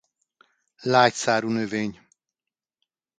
Lágy szárú növény.